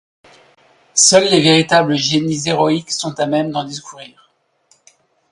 Seuls les véritables génies héroïques sont à même d’en discourir.